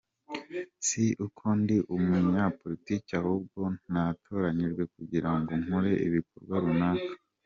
Si uko ndi Umunyapolitiki ahubwo natoranyijwe kugira ngo nkore ibikorwa runaka.